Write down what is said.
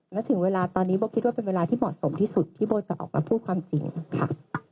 และถึงเวลาตอนนี้โบคิดว่าเป็นเวลาที่เหมาะสมที่สุดที่โบจะออกมาพูดความจริงค่ะ